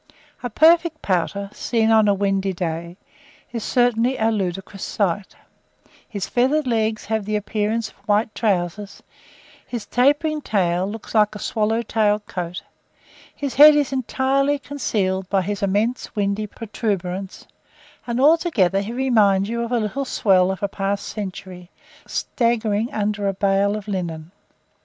A perfect pouter, seen on a windy day, is certainly a ludicrous sight: his feathered legs have the appearance of white trousers; his tapering tail looks like a swallow tailed coat; his head is entirely concealed by his immense windy protuberance; and, altogether, he reminds you of a little "swell" of a past century, staggering under a bale of linen.